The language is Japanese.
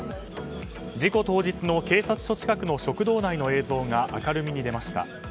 事故当日の警察署近くの食堂内の映像が明るみに出ました。